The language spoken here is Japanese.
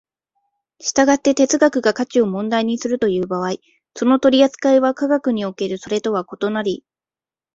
従って哲学が価値を問題にするという場合、その取扱いは科学におけるそれとは異なり、